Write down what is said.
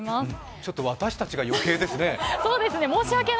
ちょっと私たちが余計ですね。